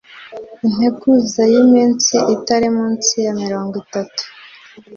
Integuza y iminsi itari munsi ya mirongo itatu